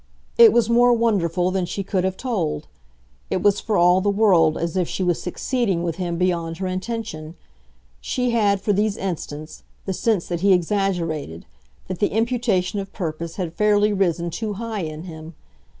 It was more wonderful than she could have told; it was for all the world as if she was succeeding with him beyond her intention. She had, for these instants, the sense that he exaggerated, that the imputation of purpose had fairly risen too high in him.